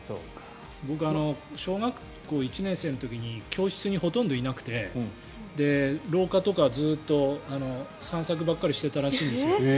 僕、小学校１年生の時に教室にほとんどいなくて廊下とかずっと散策ばっかりしてたらしいんですけど。